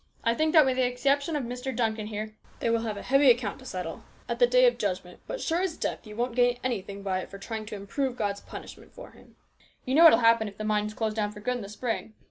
I think that, with the exception of Mr. Duncan here, they will have a heavy account to settle at the day of judgment. But, sure as death, you won't gain anything by trying to improve God's punishment for 'em. You know what'll happen if the mines close down for good in the spring.